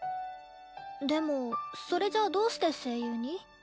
でもそれじゃあどうして声優に？